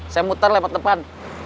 saya muter lewat depan